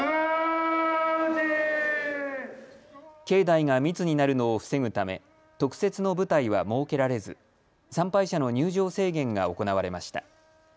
境内が密になるのを防ぐため特設の舞台は設けられず、参拝者の入場制限が行われました。